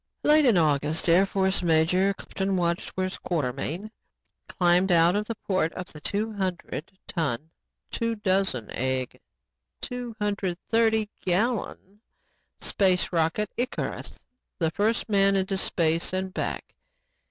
Late in August, Air Force Major Clifton Wadsworth Quartermain climbed out of the port of the two hundred ton, two dozen egg, two hundred thirty gallon space rocket Icarus, the first man into space and back.